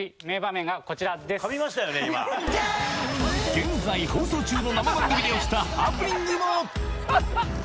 現在放送中の生番組で起きたハプニングもちょっと！